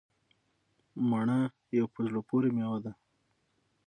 سيب يوه په زړه پوري ميوه ده